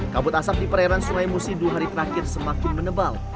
kabut asap di perairan sungai musi dua hari terakhir semakin menebal